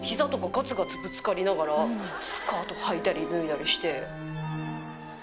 ぶつかりながらスカートはいたり脱いだりして。